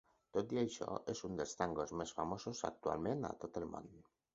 Tot i això, és un dels tangos més famosos actualment a tot el món.